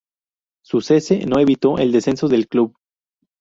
Su cese no evitó el descenso del club.